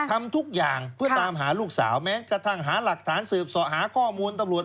ทำทุกอย่างเพื่อตามหาลูกสาวแม้กระทั่งหาหลักฐานสืบสอหาข้อมูลตำรวจ